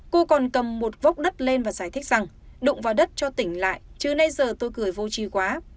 cô còn cầm một vốc đất lên và giải thích rằng đụng vào đất cho tỉnh lại chứ nay giờ tôi cười vô chi quá